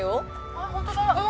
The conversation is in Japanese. あっホントだ！